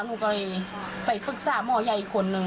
หนูก็เลยไปฝึกษาหมอไยอีกคนหนึ่ง